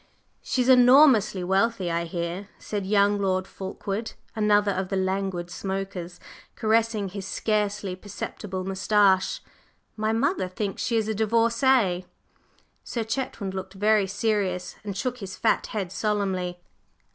"She's enormously wealthy, I hear," said young Lord Fulkeward, another of the languid smokers, caressing his scarcely perceptible moustache. "My mother thinks she is a divorcée." Sir Chetwynd looked very serious, and shook his fat head solemnly.